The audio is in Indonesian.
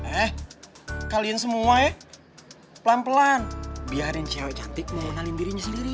eh kalian semua ya pelan pelan biarin cewek cantik mengenalin dirinya sendiri